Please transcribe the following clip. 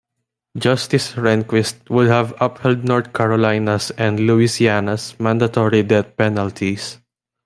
Justice Rehnquist would have upheld North Carolina's and Louisiana's mandatory death penalties.